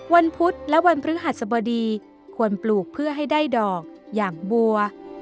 พุธและวันพฤหัสบดีควรปลูกเพื่อให้ได้ดอกอย่างบัว